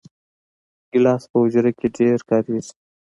ګیلاس په حجره کې ډېر کارېږي.